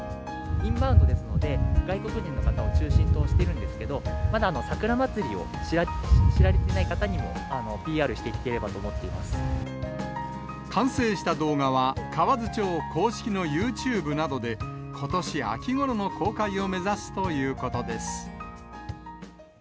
インバウンドですので、外国人の方を中心としてるんですけど、まだ桜まつりを知られてない方にもＰＲしていければと思っていま完成した動画は、河津町公式のユーチューブなどで、ことし秋ごろの公開を目指すということです。